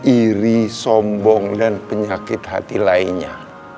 iri sombong dan penyakit hati lainnya